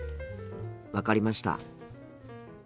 分かりました。